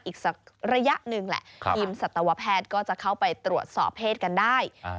อีกสักระยะหนึ่งก็จะเข้าไปตรวจสอบเพศกันนะครับ